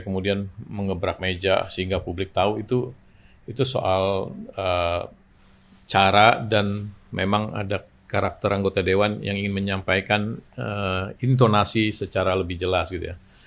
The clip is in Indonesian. kemudian mengebrak meja sehingga publik tahu itu soal cara dan memang ada karakter anggota dewan yang ingin menyampaikan intonasi secara lebih jelas gitu ya